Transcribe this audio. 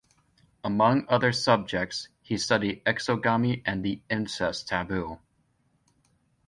Among other subjects, he studied exogamy and the incest taboo.